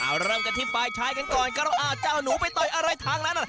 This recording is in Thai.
เอาเริ่มกันที่ฝ่ายชายกันก่อนครับเจ้าหนูไปต่อยอะไรทางนั้น